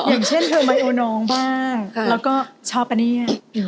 อย่างเช่นเธอไมโอน้องบ้างแล้วก็ชอบปะเนี่ย